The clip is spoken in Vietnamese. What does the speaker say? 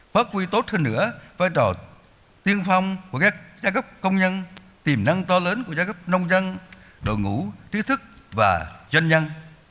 phát huy tốt hơn nữa vai trò tiên phong của các gia cấp công nhân tiềm năng to lớn của giai cấp nông dân đội ngũ trí thức và doanh nhân